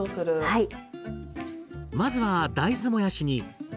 はい。